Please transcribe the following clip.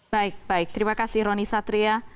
baik baik terima kasih roni satria